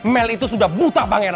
mel itu sudah buta